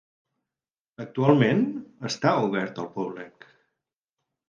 Actualment, està obert al públic.